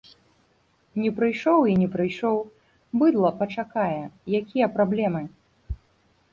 Не прыйшоў і не прыйшоў, быдла пачакае, якія праблемы?